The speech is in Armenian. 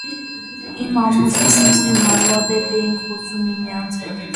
Իմ ամուսինն ու ես հազվադեպ էիք խոսում միմյանց հետ։